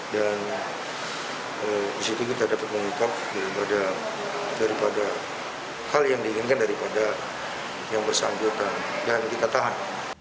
dan di situ kita dapat mengutuk daripada hal yang diinginkan daripada yang bersambung dan kita tahan